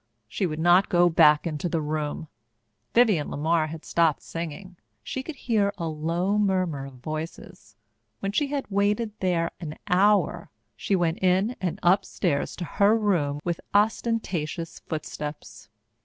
She would not go back into the room. Vivienne LeMar had stopped singing. She could hear a low murmur of voices. When she had waited there an hour, she went in and upstairs to her room with ostentatious footsteps.